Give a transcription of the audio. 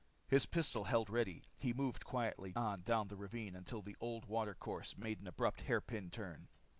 His pistol held ready, he moved quietly on down the ravine until the old water course made an abrupt hairpin turn.